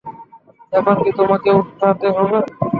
এখন কি তোমাকেও উঠাতে হবে?